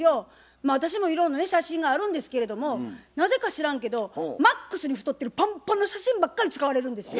まあ私もいろんなね写真があるんですけれどもなぜか知らんけどマックスに太ってるパンパンの写真ばっかり使われるんですよ。